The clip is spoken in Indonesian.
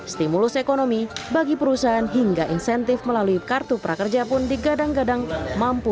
stimulus ekonomi bagi perusahaan hingga insentif melalui kartu prakerja pun digadang gadang mampu